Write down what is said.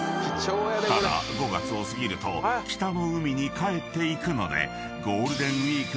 ［ただ５月を過ぎると北の海に帰っていくので］